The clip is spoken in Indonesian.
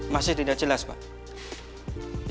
masih tidak jelas pak